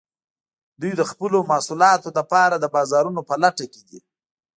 دوی د خپلو محصولاتو لپاره د بازارونو په لټه کې دي